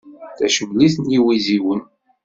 Tacemlit n yiwiziwen.